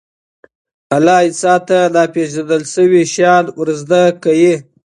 الله انسان ته ناپېژندل شوي شیان ورزده کوي.